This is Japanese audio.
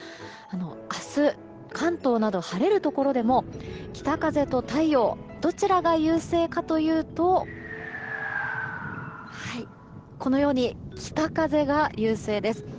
明日、関東など晴れるところでも北風と太陽どちらが優勢かというとこのように北風が優勢です。